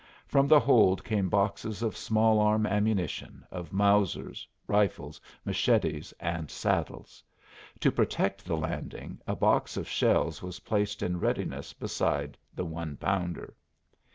From the hold came boxes of small arm ammunition, of Mausers, rifles, machetes, and saddles. To protect the landing a box of shells was placed in readiness beside the one pounder.